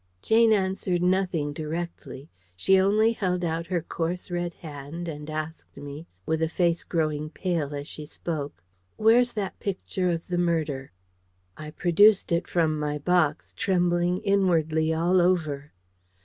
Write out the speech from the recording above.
Jane answered nothing directly. She only held out her coarse red hand and asked me, with a face growing pale as she spoke: "Where's that picture of the murder?" I produced it from my box, trembling inwardly all over.